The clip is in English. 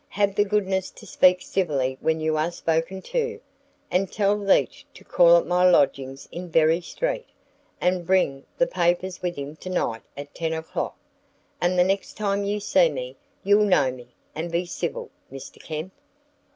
Have the goodness to speak civilly when you are spoken to and tell Leach to call at my lodgings in Bury Street, and bring the papers with him to night at ten o'clock. And the next time you see me, you'll know me, and be civil, Mr. Kemp."